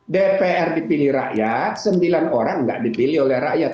dpr dipilih rakyat sembilan orang tidak dipilih oleh rakyat